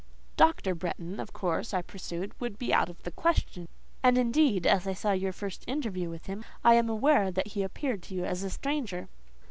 "Dr. Bretton, of course," I pursued, "would be out of the question: and, indeed, as I saw your first interview with him, I am aware that he appeared to you as a stranger."